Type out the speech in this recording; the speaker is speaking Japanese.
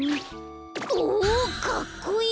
おかっこいい！